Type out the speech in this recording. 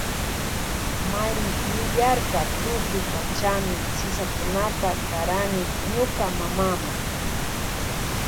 Mari willarka tukuy pachami sisakunata karani ñuka mamama.